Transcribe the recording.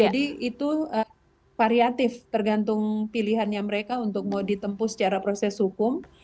jadi itu variatif tergantung pilihannya mereka untuk mau ditempuh secara proses hukum